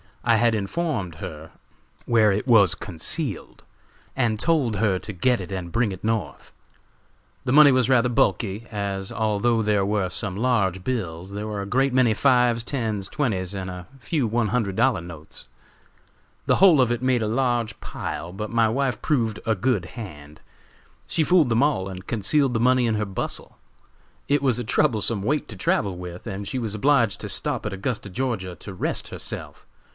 I had informed her where it was concealed, and told her to get it and bring it North. "The money was rather bulky, as although there were some large bills, there were a great many fives, tens, twenties and a few one hundred dollar notes. The whole of it made a large pile, but my wife proved a good hand. She fooled them all, and concealed the money in her bustle. It was a troublesome weight to travel with, and she was obliged to stop at Augusta, Ga., to rest herself.